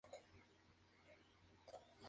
Ex alcalde de la Provincia de Satipo.